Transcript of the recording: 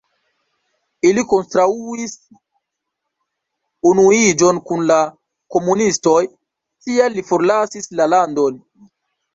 Li kontraŭis unuiĝon kun la komunistoj, tial li forlasis la landon.